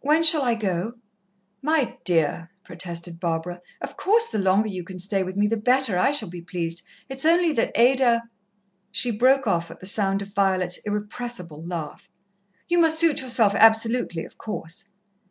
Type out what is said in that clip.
"When shall I go?" "My dear!" protested Barbara. "Of course, the longer you can stay with me the better I shall be pleased. It's only that Ada " She broke off at the sound of Violet's irrepressible laugh. "You must suit yourself absolutely, of course."